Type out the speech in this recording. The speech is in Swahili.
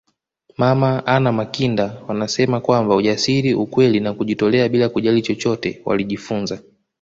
Mama Anna Makinda wanasema kwamba ujasiri ukweli na kujitolea bila kujali chochote walijifunza